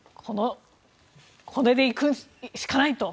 これでいくしかないと。